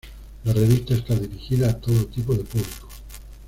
La revista está dirigida a todo tipo de público.